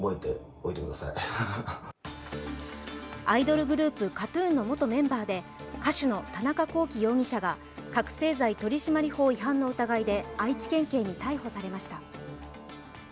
アイドルグループ・ＫＡＴ−ＴＵＮの元メンバーで歌手の田中聖容疑者が覚醒剤取締法違反の疑いで愛知県警に逮捕されました。